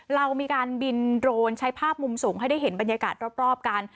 เรามีการบินโดรนใช้ภาพมุมสูงให้ได้เห็นบรรยากาศรอบกัน